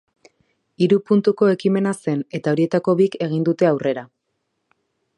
Hiru puntuko ekimena zen, eta horietako bik egin dute aurrera.